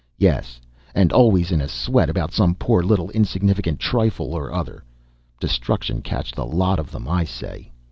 Yes; and always in a sweat about some poor little insignificant trifle or other destruction catch the lot of them, I say!